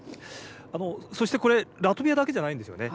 そしてこれラトビアだけじゃないんですよね。